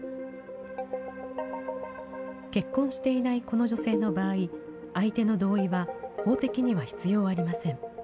結婚していないこの女性の場合、相手の同意は法的には必要ありません。